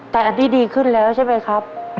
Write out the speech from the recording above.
แต่อันนี้ดีขึ้นแล้วใช่ไหมครับ